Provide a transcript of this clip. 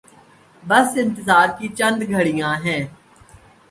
بس انتظار کی چند گھڑیاں ہیں۔